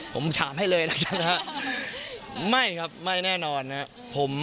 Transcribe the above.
ผมถามให้เลยแล้วกันนะครับไม่ครับไม่แน่นอนนะครับ